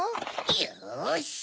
よし！